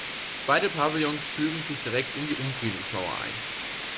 Beide Pavillons fügen sich direkt in die Umfriedungsmauer ein.